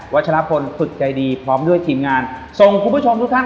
ชลพลฝึกใจดีพร้อมด้วยทีมงานส่งคุณผู้ชมทุกท่าน